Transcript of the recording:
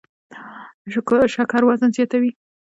شکر وزن زیاتوي